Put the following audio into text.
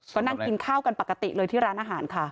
ก็นั่งกินข้าวกันปกติเลยที่ร้านอาหารค่ะ